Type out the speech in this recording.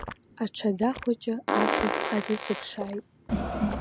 Аҽада хәыҷы ахьыӡ азысыԥшааит.